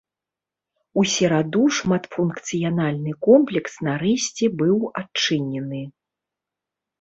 У сераду шматфункцыянальны комплекс нарэшце быў адчынены.